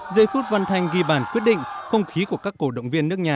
giây phút văn thanh ghi bản quyết định không khí của các cổ động viên nước nhà